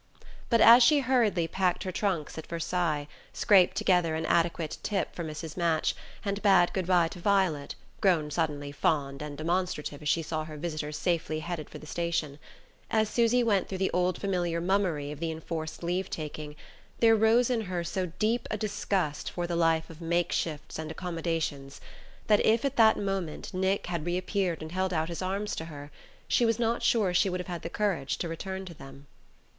But as she hurriedly packed her trunks at Versailles, scraped together an adequate tip for Mrs. Match, and bade good bye to Violet (grown suddenly fond and demonstrative as she saw her visitor safely headed for the station) as Susy went through the old familiar mummery of the enforced leave taking, there rose in her so deep a disgust for the life of makeshifts and accommodations, that if at that moment Nick had reappeared and held out his arms to her, she was not sure she would have had the courage to return to them.